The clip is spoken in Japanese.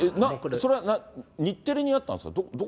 それは日テレにあったんですか？